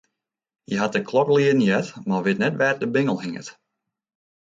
Hy hat de klok lieden heard, mar wit net wêr't de bingel hinget.